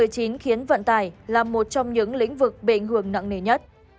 chính khiến vận tải là một trong những lĩnh vực bệnh hưởng nặng nề nhất